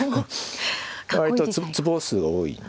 割と坪数が多い。